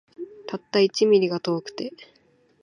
たった一ミリが遠くて